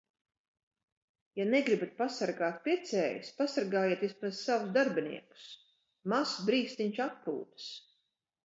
Ja negribat pasargāt pircējus, pasargājiet vismaz savus darbiniekus. Mazs brīsniņš atpūtas.